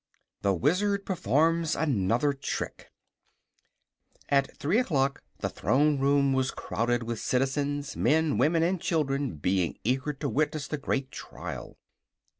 THE WIZARD PERFORMS ANOTHER TRICK At three o'clock the Throne Room was crowded with citizens, men, women and children being eager to witness the great trial.